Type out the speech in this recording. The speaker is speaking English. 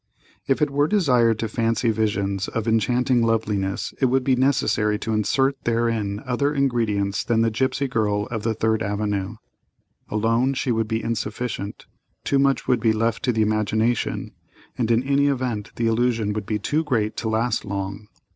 If it were desired to fancy visions of enchanting loveliness it would be necessary to insert therein other ingredients than the gipsy girl of the Third Avenue; alone she would be insufficient; too much would be left to the imagination; and in any event the illusion would be too great to last long.